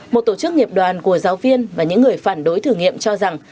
một tổ chức nghiệp đoàn của giáo viên và những người phản đối thử nghiệm cho rằng